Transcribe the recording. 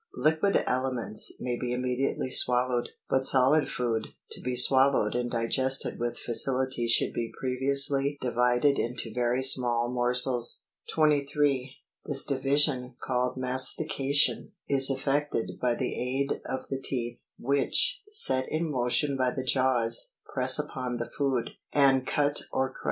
Liquid aliments may be immediately swallowed ; but solid food to be swallowed and digested with facility should be previous ly divided into very small morsels. 23 This division, called mastication, is effected by the aid of the teeth, which, set in motion by the jaws, press upon the food and cut or crush it. 17.